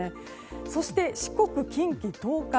そして、四国、近畿、東海